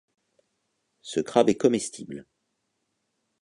Ce crabe est comestible.